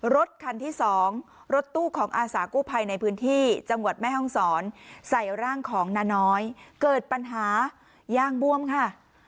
รถคันที่๒รถตู้ของอาสากู้ภัยในพื้นที่จังหวัดแม่ห้องศรใส่ร่างของนาน้อยเกิดปัญหายางบวมค่ะ